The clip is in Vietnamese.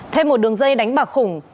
thêm một đường dây đánh bạc khủng